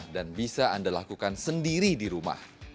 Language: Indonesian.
dan bisa anda lakukan sendiri di rumah